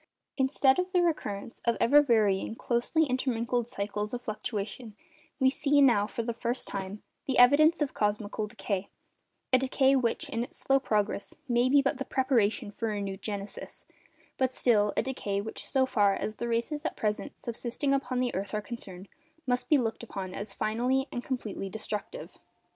Instead of the recurrence of ever varying, closely intermingled cycles of fluctuation, we see, now for the first time, the evidence of cosmical decay—a decay which, in its slow progress, may be but the preparation for renewed genesis—but still, a decay which, so far as the races at present subsisting upon the earth are concerned, must be looked upon as finally and completely destructive.